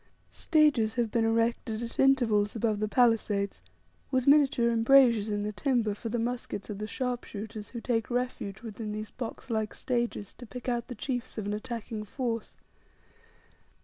Stages have been erected at intervals above the palisades with miniature embrasures in the timber, for the muskets of the sharpshooters, who take refuge within these box like stages to pick out the chiefs of an attacking force.